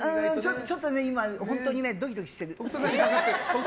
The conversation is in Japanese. ちょっとね、今本当にドキドキしてる。